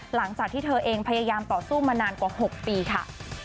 หลังจากที่เธอเองพยายามต่อสู้มานานกว่า๖ปีค่ะ